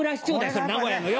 それ名古屋のよ！